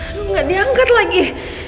aduh tidak diangkat lagi